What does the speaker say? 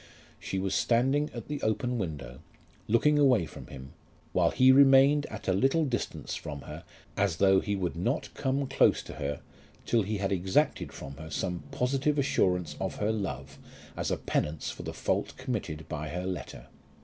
She was standing at the open window, looking away from him, while he remained at a little distance from her as though he would not come close to her till he had exacted from her some positive assurance of her love as a penance for the fault committed by her letter.